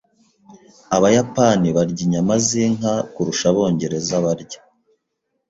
Abayapani barya inyama zinka kurusha abongereza barya.